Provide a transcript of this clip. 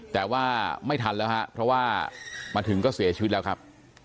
แต่ว่าไม่ทันแล้วฮะเพราะว่ามาถึงก็เสียชีวิตแล้วครับ